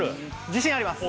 自信あります